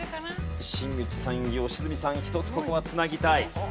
新内さん良純さんひとつここは繋ぎたい。